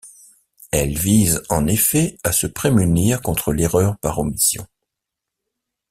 Elle vise en effet à se prémunir contre l'erreur par omission.